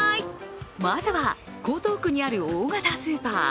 まずは江東区にある大型スーパー。